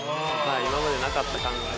今までなかった考え。